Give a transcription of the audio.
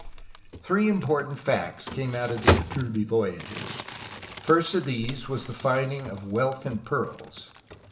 Three important facts came out of the Iturbe voyages. First of these was the finding of wealth in pearls.